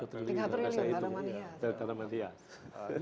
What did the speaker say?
tiga triliun tanaman hias